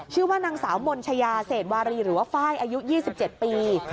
ชื่อว่านางสาวมนชายาเศษวารีหรือว่าไฟล์อายุ๒๗ปี